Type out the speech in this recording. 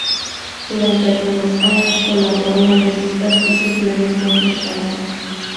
Durante algunos años colaboró en revistas y suplementos locales.